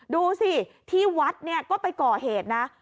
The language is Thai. ดูสิที่วัดเนี่ยก็ไปก่อเหตุนะ